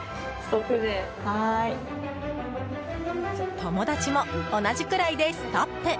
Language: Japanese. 友達も同じくらいでストップ。